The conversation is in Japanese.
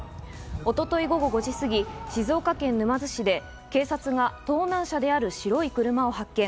一昨日、午後５時過ぎ静岡県沼津市で警察が盗難車である白い車を発見。